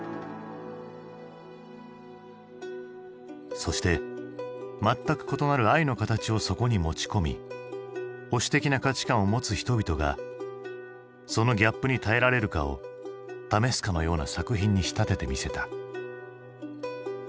そして全く異なる愛の形をそこに持ち込み保守的な価値観を持つ人々がそのギャップに耐えられるかを試すかのような作品に仕立ててみせた。